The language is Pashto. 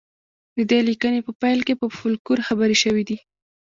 د دې لیکنې په پیل کې په فولکلور خبرې شوې دي